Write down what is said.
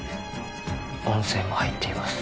音声も入っています